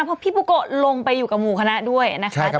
เพราะพี่ปูโกะลงไปอยู่กับหมู่คณะด้วยนะคะใช่ครับผม